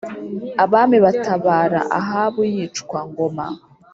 Abami batabara, Ahabu yicwa ( Ngoma -)